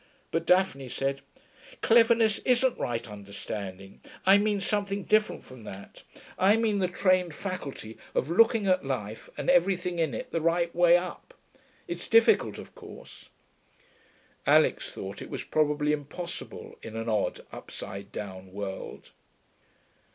But Daphne said: 'Cleverness isn't right understanding. I mean something different from that. I mean the trained faculty of looking at life and everything in it the right way up. It's difficult, of course.' Alix thought it was probably impossible, in an odd, upside down world.